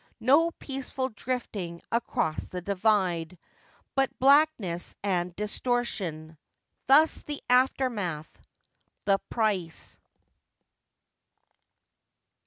No peaceful drifting across the Divide, but black ness and distortion. Thus the aftermath : the price.